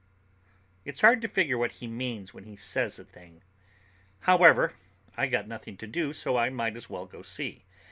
It's hard to figure what he means when he says a thing. However, I got nothing to do, so I might as well go see.